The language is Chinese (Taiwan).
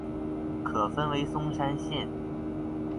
可分為松山線